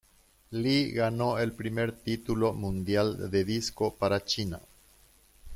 Li ganó el primer título mundial de disco para China.